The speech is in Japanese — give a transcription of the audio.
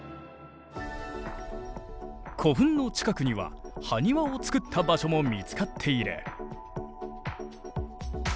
古墳の近くにはハニワをつくった場所も見つかっている。